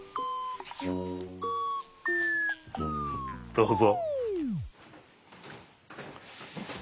どうぞ。